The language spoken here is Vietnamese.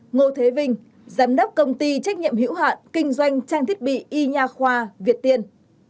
ngô thế vinh giám đốc công ty trách nhiệm hữu hạn kinh doanh trang thiết bị y nha khoa việt tiên